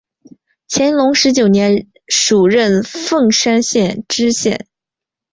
乾隆十九年署任凤山县知县。